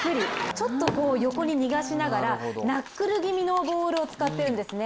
ちょっと横に逃がしながらナックル気味の左を使ってるんですよね。